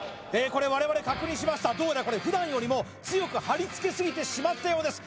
これ我々確認しましたどうやらこれ普段よりも強く貼りつけすぎてしまったようです